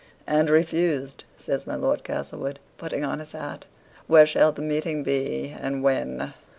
"And refused," says my Lord Castlewood, putting on his hat. "Where shall the meeting be? and when?"